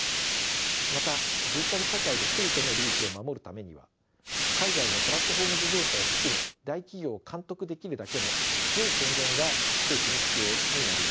またデジタル社会で人々の利益を守るためには海外のプラットフォーム事業者を含む大企業を監督できるだけの強い権限が政府に必要になります。